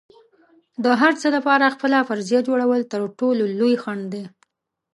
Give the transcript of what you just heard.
د هر څه لپاره خپله فرضیه جوړول تر ټولو لوی خنډ دی.